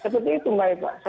seperti itu mbak